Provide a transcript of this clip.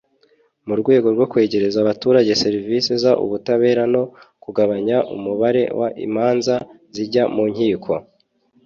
mu rwego rwo kwegereza abaturage serivisi z ubutabera no kugabanya umubare w imanza zijya mu nkiko